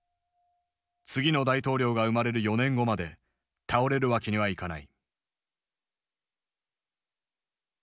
次の大統領が生まれる４年後まで倒れるわけにはいかない。